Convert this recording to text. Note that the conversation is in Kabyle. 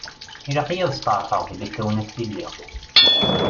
Ilaq-iyi ad stεerfeɣ belli d tawnaft i lliɣ.